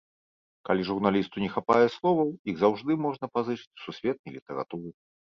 Калі журналісту не хапае словаў, іх заўжды можна пазычыць у сусветнай літаратуры.